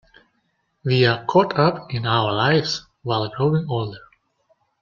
We are caught up in our lives while growing older.